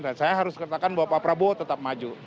dan saya harus katakan bahwa pak prabowo tetap maju